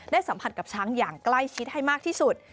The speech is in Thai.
สัมผัสกับช้างอย่างใกล้ชิดให้มากที่สุด